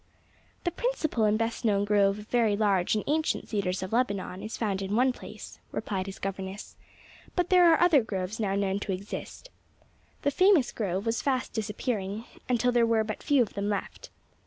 "The principal and best known grove of very large and ancient cedars of Lebanon is found in one place," replied his governess, "but there are other groves now known to exist. The famous grove was fast disappearing, until there were but few of them left.